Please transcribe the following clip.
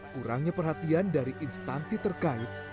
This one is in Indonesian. kurangnya perhatian dari instansi terkait